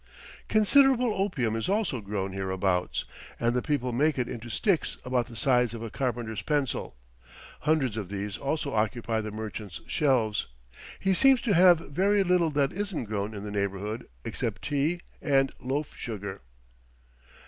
Considerable opium is also grown hereabouts, and the people make it into sticks about the size of a carpenter's pencil; hundreds of these also occupy the merchant's shelves. He seems to have very little that isn't grown in the neighborhood except tea and loaf sugar.